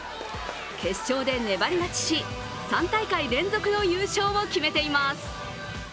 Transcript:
決勝で粘り勝ちし、３大会連続の優勝を決めています。